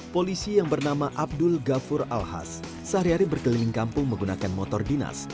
polisi yang bernama abdul ghafur alhas sehari hari berkeliling kampung menggunakan motor dinas